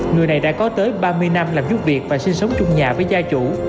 người này đã có tới ba mươi năm làm giúp việc và sinh sống trong nhà với gia chủ